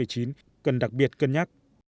cần đặc biệt cân nhắc